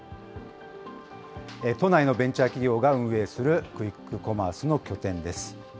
都内のベンチャー企業が運営するクイックコマースの拠点です。